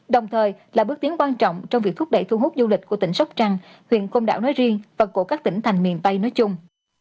đồng thời là bước tiến quan trọng trong việc thúc đẩy thu hút du lịch của tỉnh sóc trăng huyện côn đảo nói riêng và của các tỉnh thành miền tây nói chung